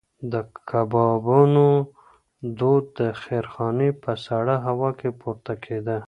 د کبابونو دود د خیرخانې په سړه هوا کې پورته کېده.